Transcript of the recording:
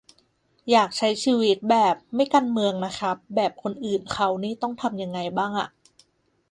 อยากใช้ชีวิตแบบ "ไม่การเมืองนะครับ" แบบคนอื่นเค้านี่ต้องทำยังไงบ้างอะ